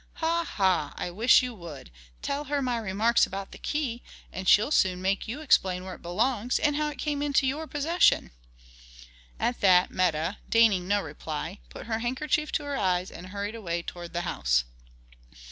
"Ha! ha! I wish you would! tell her my remarks about the key, and she'll soon make you explain where it belongs, and how it came into your possession." At that Meta, deigning no reply, put her handkerchief to her eyes and hurried away toward the house.